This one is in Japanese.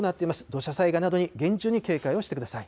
土砂災害などに厳重に警戒をしてください。